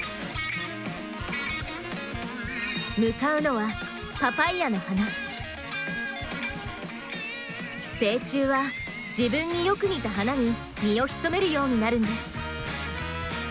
向かうのは成虫は自分によく似た花に身を潜めるようになるんです。